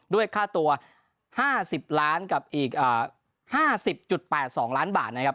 ด้วยค่าตัว๕๐๘๒ล้านบาทนะครับ